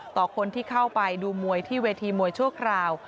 ต่อคนที่เข้าไปดูมวยที่เวทีมวยชั่วคราว